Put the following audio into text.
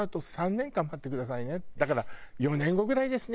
「だから４年後ぐらいですね